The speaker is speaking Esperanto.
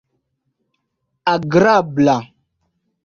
agrabla